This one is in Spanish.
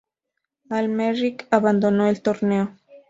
Al-Merrikh abandonó el torneo.